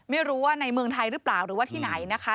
ไม่รู้ว่าในเมืองไทยหรือเปล่าหรือว่าที่ไหนนะคะ